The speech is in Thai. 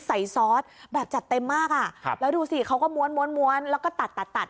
ซอสแบบจัดเต็มมากอ่ะครับแล้วดูสิเขาก็ม้วนม้วนม้วนแล้วก็ตัดตัดตัด